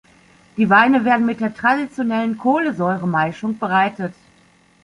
Die Weine werden mit der traditionellen Kohlensäure-Maischung bereitet.